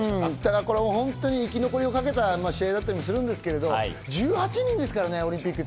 本当に生き残りをかけた試合だったりするんですけど、１８人ですからね、オリンピック。